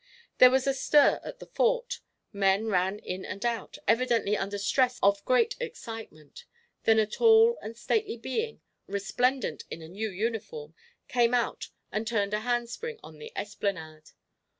There was a stir at the Fort. Men ran in and out, evidently under stress of great excitement, then a tall and stately being, resplendent in a new uniform, came out and turned a handspring on the esplanade.